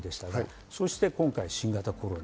そして今回の新型コロナ。